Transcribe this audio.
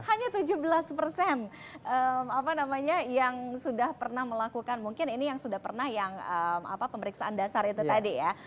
hanya tujuh belas persen apa namanya yang sudah pernah melakukan mungkin ini yang sudah pernah yang pemeriksaan dasar itu tadi ya